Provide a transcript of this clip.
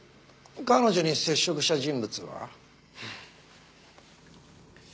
彼女に接触した人物は？